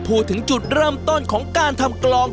พูดถึงจุดเริ่มต้นของการทำกลอง